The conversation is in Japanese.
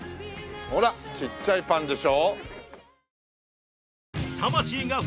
ほらちっちゃいパンでしょ？